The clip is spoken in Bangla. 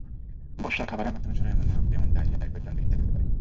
বর্ষায় খাবারের মাধ্যমে ছড়ায় এমন রোগ যেমন ডায়রিয়া, টাইফয়েড, জন্ডিস ইত্যাদি হতে পারে।